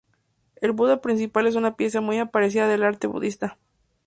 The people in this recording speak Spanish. El Buda principal es una pieza muy apreciada del arte budista.